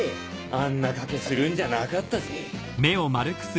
あんな賭けするんじゃなかったぜ。